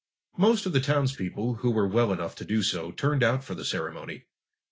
Most of the townspeople who were well enough to do so turned out for the ceremony.